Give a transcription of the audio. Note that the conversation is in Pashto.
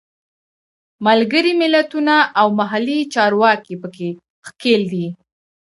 ملګري ملتونه او محلي چارواکي په کې ښکېل دي.